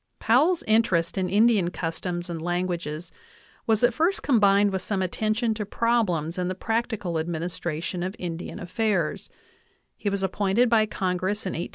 Powell's interest in Indian customs and languages was at first combined with some attention to problems in the practical administration of Indian affairs ; he was appointed by Congress in 1872